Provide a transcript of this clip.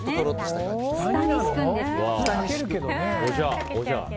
これを下に敷くんですね。